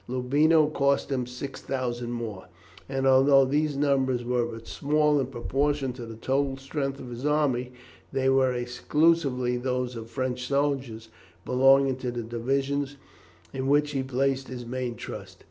Loubino cost him 6000 more, and although these numbers were but small in proportion to the total strength of his army, they were exclusively those of French soldiers belonging to the divisions in which he placed his main trust.